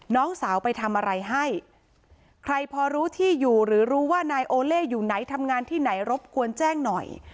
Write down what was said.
น้องสาวไปทำอะไรให้ใครพอรู้ที่อยู่หรือรู้ว่านายโอเล่อยู่ไหนทำงานที่ไหนรบกวนแจ้งหน่อย